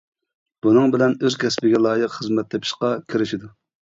بۇنىڭ بىلەن ئۆز كەسپىگە لايىق خىزمەت تېپىشقا كىرىشىدۇ.